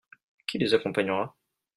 Qui les accompagnera ?